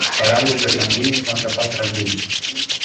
Para Álex Bergantiños é un rapaz tranquilo.